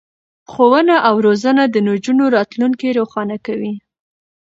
ښوونه او روزنه د نجونو راتلونکی روښانه کوي.